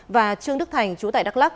và trương đức thành chú tại đắk lắc